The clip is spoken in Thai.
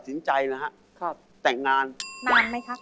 วันแต่งงานอะ